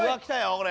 これ。